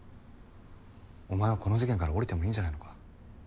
お前はこの事件から降りてもいいんじゃないのか。